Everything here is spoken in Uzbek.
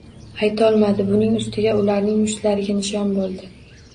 Ajratolmadi, buning ustiga ularning mushtlariga nishon bo'ldi.